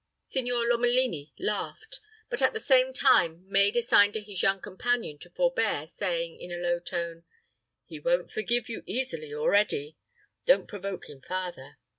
Signor Lomelini laughed, but at the same time made a sign to his young companion to forbear, saying, in a low tone, "He won't forgive you easily, already. Don't provoke him farther.